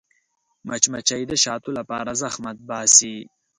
مچمچۍ د شاتو لپاره زحمت باسي